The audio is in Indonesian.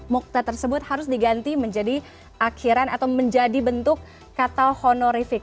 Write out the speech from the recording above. mukta tersebut harus diganti menjadi akhiran atau menjadi bentuk kata honorifik